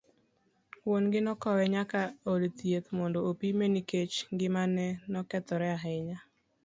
Wuon gi nokowe nyaka od thieth, mondo opime nikech ng'imane nokethore ahinya.